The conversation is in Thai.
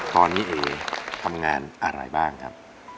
ตอนนี้เอ๋ทำงานอะไรบ้างครับ